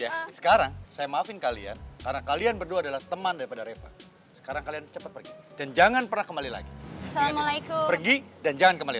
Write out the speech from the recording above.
ya sekarang saya maafin kalian karena kalian berdua adalah teman daripada reva sekarang kalian cepat pergi dan jangan pernah kembali lagi pergi dan jangan kembali